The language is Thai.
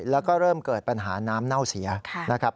แล้วก็เริ่มเกิดปัญหาน้ำเน่าเสียนะครับ